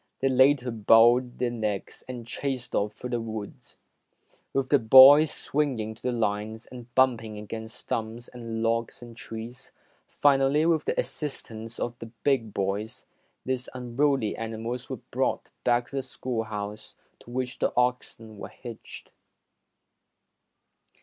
They later bowed their necks and chased off through the woods, with the boys 264 ] UNSUNG HEROES swinging to the lines and bumping against stumps and logs and trees. Finally, with the assistance of big boys, these unruly animals were brought back to the schoolhouse, to which the oxen were hitched.